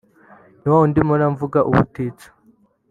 “Ni wawundi mpora mvuga ubutitsa